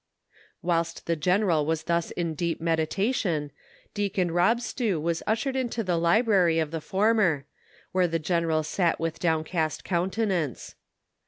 " Whilst the general was thus in deep meditation, Deacon Rob Stew was ushered into the library of the f ormer, where the general sat with downcast countenance.